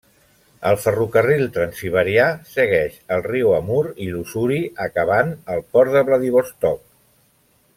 El ferrocarril transsiberià segueix el riu Amur i l'Ussuri acabant al port de Vladivostok.